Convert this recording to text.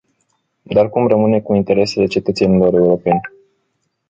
Dar cum rămâne cu interesele cetățenilor europeni?